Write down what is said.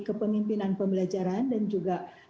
kepemimpinan pembelajaran dan juga